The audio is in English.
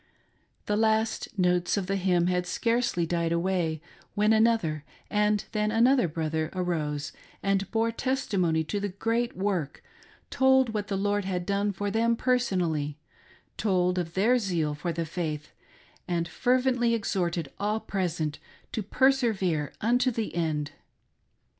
The last notes of the hymn had scarcely died away when another, and then another brother arose and bore testimony to the great work, told what the Lord had done for them personally, told of their zeal for the faith, and fervently exhorted all present to persevere unto the end.